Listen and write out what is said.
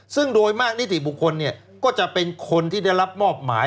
ซึ่งโดยมากนิติบุคคลก็จะเป็นคนที่ได้รับมอบหมาย